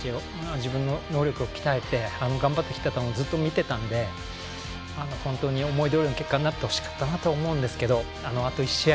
自分の能力を鍛えて頑張ってきたのもずっと見てたので本当に思いどおりの結果になってほしかったなと思うんですけどあと１試合